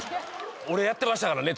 俺やってましたからね